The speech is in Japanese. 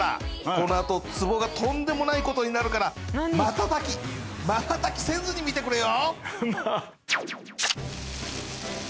このあと壺がとんでもないことになるからまたたきまたたきせずに見てくれよ！